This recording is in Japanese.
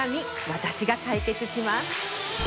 私が解決します